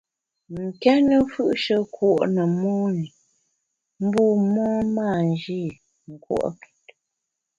Nkéne mfù’she kùo’ ne mon i, bu mon mâ nji nkùo’ket.